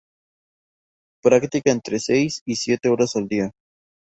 Practica entre seis y siete horas al día.